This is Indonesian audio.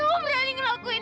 kamu berani ngelakuin